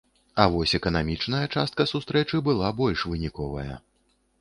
А вось эканамічная частка сустрэчы была больш выніковая.